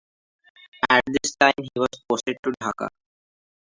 At this time he was posted to Dhaka.